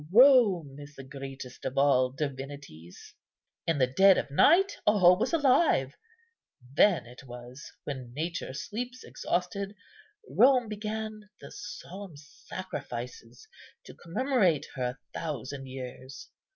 Rome is the greatest of all divinities. In the dead of night all was alive; then it was, when nature sleeps exhausted, Rome began the solemn sacrifices to commemorate her thousand years.